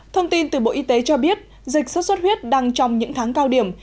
thông tin từ bộ y tế cho biết dịch sốt xuất huyết đang trong những tháng cao điểm